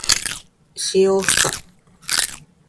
使用不可。